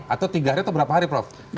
atau tiga hari atau berapa hari prof